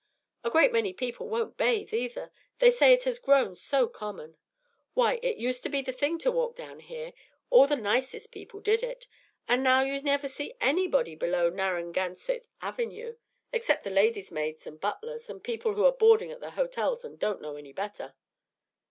A great many people won't bathe, either, they say it has grown so common. Why, it used to be the thing to walk down here, all the nicest people did it; and now you never see anybody below Narragansett Avenue except ladies' maids and butlers, and people who are boarding at the hotels and don't know any better."